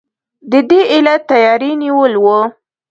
د دې علت تیاری نیول وو.